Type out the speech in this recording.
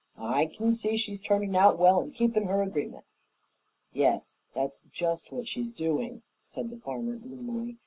I can see she's turning out well and keeping her agreement." "Yes, that's just what she's doing," said the farmer gloomily.